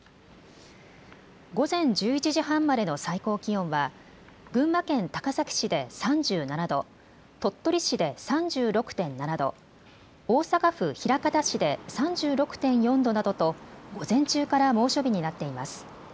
午前１１時半までの最高気温は群馬県高崎市で３７度、鳥取市で３６．７度、大阪府枚方市で３６．４度などと午前中から猛暑日になっています。